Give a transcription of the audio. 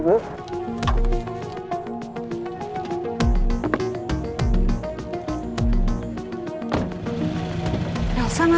aku akan mencoba untuk melakukannya